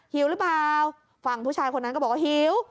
หิวหรือเปล่าฝั่งผู้ชายคนนั้นก็บอกว่าหิว